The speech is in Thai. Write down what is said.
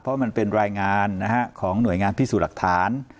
เพราะมันเป็นรายงานของหน่วยงานพิสูจน์หลักฐาน